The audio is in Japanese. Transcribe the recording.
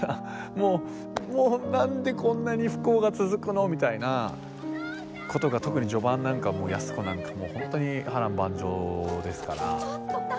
もうもう何でこんなに不幸が続くのみたいなことが特に序盤なんかもう安子なんかもう本当に波乱万丈ですから。